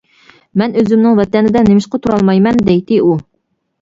«مەن ئۆزۈمنىڭ ۋەتىنىدە نېمىشقا تۇرالمايمەن؟ » دەيتتى ئۇ.